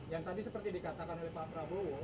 yang tadi seperti dikatakan oleh pak prabowo